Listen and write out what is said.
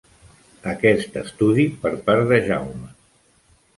Aquest estudi per part de Jaume.